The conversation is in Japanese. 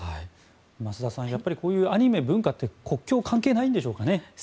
増田さん、やっぱりこういうアニメ、文化って国境、関係ないんでしょうかね。